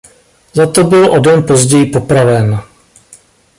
Za to byl o den později popraven.